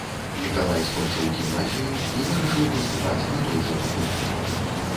Мікалай скончыў гімназію і вырашыў паступаць на той жа факультэт.